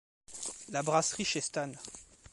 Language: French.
La Brasserie Chez Stan.